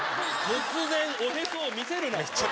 突然、おへそを見せるな。